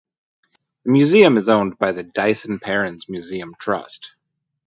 The museum is owned by the Dyson Perrins Museum Trust.